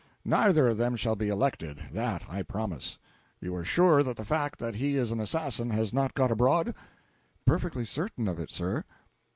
Neither of them shall be elected, that I promise. You are sure that the fact that he is an assassin has not got abroad?" "Perfectly certain of it, sir."